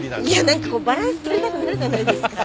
何かこうバランス取りたくなるじゃないですか。